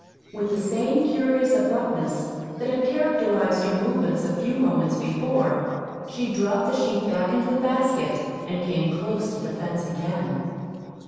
With the same curious abruptness that had characterized her movements a few moments before, she dropped the sheet back into the basket and came close to the fence again.